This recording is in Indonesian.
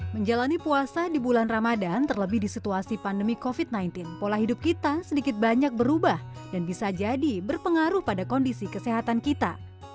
menjalani puasa di bulan ramadan terlebih di situasi pandemi covid sembilan belas pola hidup kita sedikit banyak berubah dan bisa jadi berpengaruh pada kondisi kesehatan kita